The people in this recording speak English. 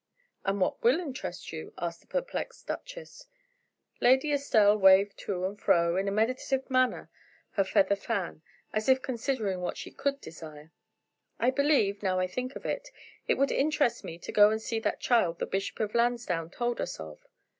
"And what will interest you?" asked the perplexed duchess. Lady Estelle waved to and fro, in a meditative manner, her feather fan, as if considering what she could desire. "I believe, now I think of it, it would interest me to go and see that child the Bishop of Lansdown told us of."